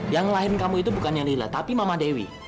yang lahir kamu itu bukannya lila tapi mama dewi